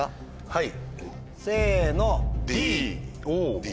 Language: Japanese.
はい。